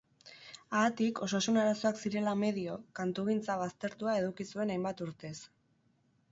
Haatik, osasun arazoak zirela medio, kantugintza baztertua eduki zuen hainbat urtez.